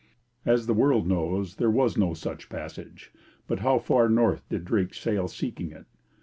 As the world knows, there was no such passage; but how far north did Drake sail seeking it?